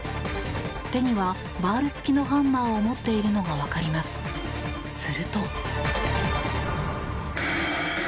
手にはバール付きのハンマーを持っているのが分かります。